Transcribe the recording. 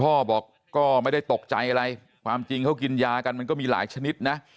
พ่อบอกก็ไม่ได้ตกใจอะไรความจริงเขากินยากันมันก็มีหลายชนิดนะ